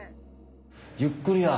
ゆっくりや！